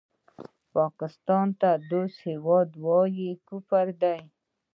پاکستان ته دوست هېواد وویل کفر دی